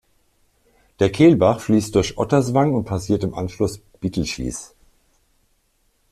Der Kehlbach fließt durch Otterswang und passiert im Anschluss Bittelschieß.